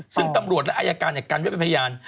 ซึ่งตำรวจและอายการกันไว้เป็นพยาน